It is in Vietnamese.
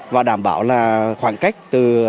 và đảm bảo là khoảng cách từ